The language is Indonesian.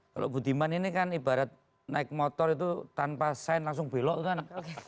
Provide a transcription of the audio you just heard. kalau budiman ini kan ibarat naik motor itu tanpa sign langsung belok kan